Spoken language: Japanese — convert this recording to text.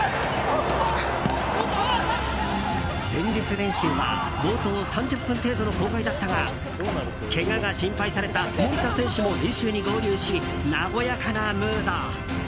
前日練習は冒頭３０分程度の公開だったがけがが心配された守田選手も練習に合流し和やかなムード。